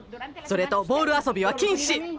それとボール遊びは禁止！